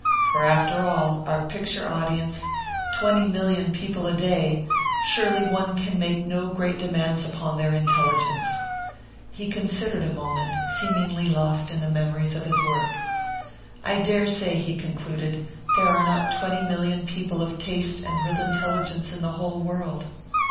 For after all, our picture audience, twenty million people a day surely one can make no great demands upon their intelligence.' He considered a moment, seemingly lost in memories of his work. 'I dare say,' he concluded, 'there are not twenty million people of taste and real intelligence in the whole world.